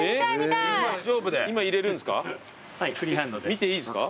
見ていいですか？